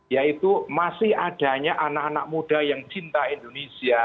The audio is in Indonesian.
yaitu masih adanya anak anak muda yang cinta indonesia